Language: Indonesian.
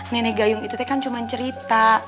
nenek gayung itu kan cuman cerita